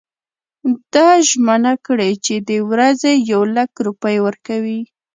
ده ژمنه کړې چې د ورځي یو لک روپۍ ورکوي.